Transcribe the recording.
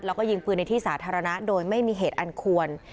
แล้วก็ยิงปืนในที่สาธารณะโดยไม่มีเหตุอันควร